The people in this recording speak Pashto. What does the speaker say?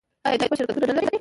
آیا دوی خپل شرکتونه نلري؟